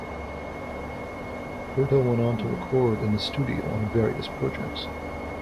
Purtill went on to record in the studio on various projects.